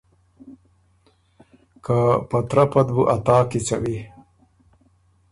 که ”په ترپه ت بُو ا تا کیڅوی“